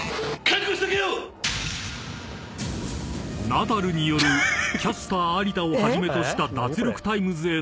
［ナダルによるキャスター有田をはじめとした］